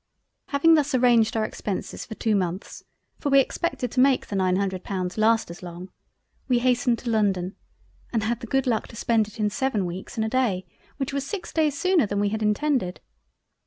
Having thus arranged our Expences for two months (for we expected to make the nine Hundred Pounds last as long) we hastened to London and had the good luck to spend it in 7 weeks and a Day which was 6 Days sooner than we had intended.